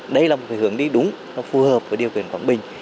đây là một hướng đi đúng phù hợp với điều kiện quảng bình